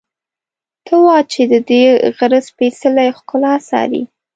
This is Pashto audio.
ته وا چې ددې غره سپېڅلې ښکلا څاري.